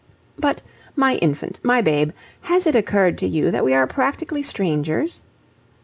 "But, my infant, my babe, has it occurred to you that we are practically strangers?"